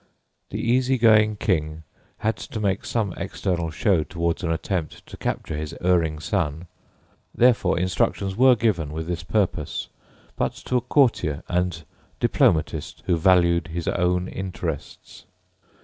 _" The easy going king had to make some external show towards an attempt to capture his erring son, therefore instructions were given with this purpose, but to a courtier and diplomatist who valued his own interests.